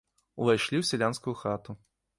Увайшлі ў сялянскую хату.